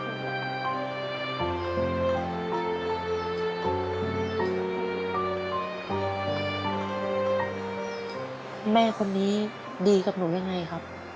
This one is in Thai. แม่คนนี้ดีกับหนูยังไงครับ